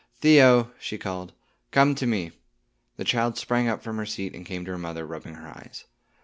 Theo," she called, "come to me." The child sprang up from her seat and came to her mother, rubbing her eyes.